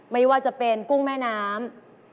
ไม่ว่าจะเป็นกุ้งแม่น้ำ